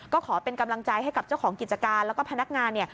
ก็ขอเป็นกำลังใจให้กับเจ้าของกิจการแล้วก็พนักงานเนี่ย